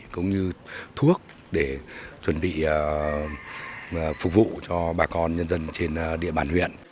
cũng như thuốc để chuẩn bị phục vụ cho bà con nhân dân trên địa bàn huyện